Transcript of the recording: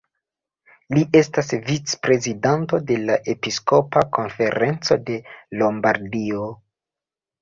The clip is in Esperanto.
Li estas vic-prezidanto de la Episkopa konferenco de Lombardio.